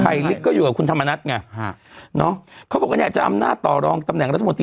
ลิกก็อยู่กับคุณธรรมนัฐไงฮะเนาะเขาบอกว่าเนี่ยจะอำนาจต่อรองตำแหน่งรัฐมนตรี